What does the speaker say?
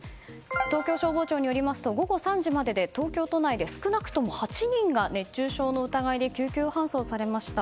東京消防庁によりますと午後３時までで東京都内で少なくとも８人が熱中症の疑いで救急搬送されました。